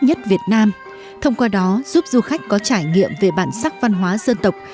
nhất việt nam thông qua đó giúp du khách có trải nghiệm về bản sắc văn hóa dân tộc